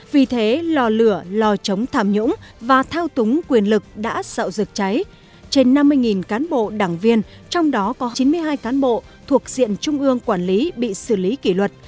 vì thế lò lửa lò chống tham nhũng và thao túng quyền lực đã sạo rực cháy trên năm mươi cán bộ đảng viên trong đó có chín mươi hai cán bộ thuộc diện trung ương quản lý bị xử lý kỷ luật